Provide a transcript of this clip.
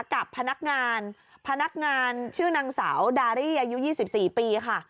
กับพนักงานพนักงานชื่อนางสาวดารี่อายุ๒๔ปีค่ะ